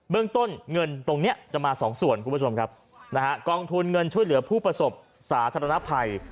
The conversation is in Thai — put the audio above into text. เรื่องต้นเงินตรงนี้จะมาสองส่วนคุณผู้ชมครับนะฮะกองทุนเงินช่วยเหลือผู้ประสบสาธารณภัย